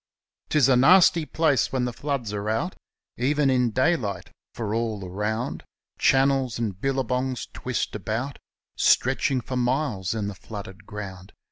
220 Tis a nasty place when the floods are out, Even in daylight; for all around Channels and billabongs twist about, Stretching for miles in the flooded ground.